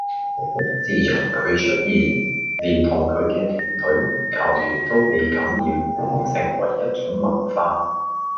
自從佢出現，連同佢嘅團隊、球員都被感染，成為一種文化